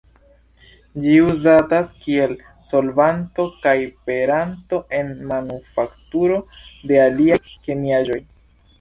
Ĝi uzatas kiel solvanto kaj peranto en manufakturo de aliaj kemiaĵoj.